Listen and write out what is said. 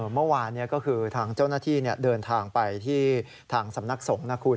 เมื่อวานก็คือทางเจ้าหน้าที่เดินทางไปที่ทางสำนักสงฆ์นะคุณ